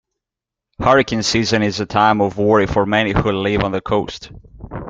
Hurricane season is a time of worry for many who live on the coast.